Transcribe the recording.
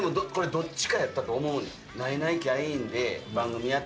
どっちかやったと思うねん。